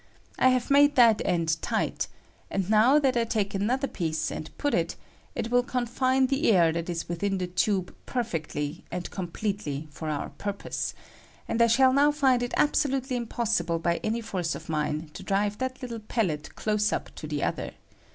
I H have made that end tight ; and now I take an other piece and put in : it will confine the air that is within the tube perfectly and completely for our purpose ; and I shall now find it abso lutely impossible by any force of mine to drive that little pellet close up to the other.